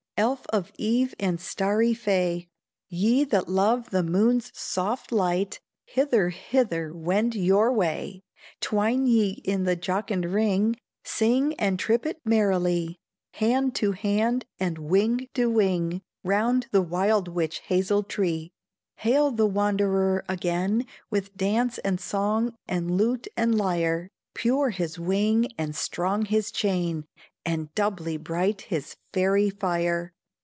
Elf of eve! and starry Fay! Ye that love the moon's soft light, Hither hither wend your way; Twine ye in the jocund ring, Sing and trip it merrily, Hand to hand, and wing to wing, Round the wild witch hazel tree. Hail the wanderer again, With dance and song, and lute and lyre, Pure his wing and strong his chain, And doubly bright his fairy fire.